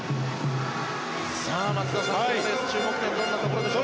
松田さん、このレース注目点はどこでしょう。